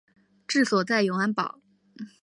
治所在永安堡。